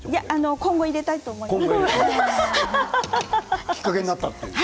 今後は入れたいと思います。